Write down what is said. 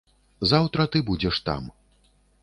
Заўтра ты будзеш там.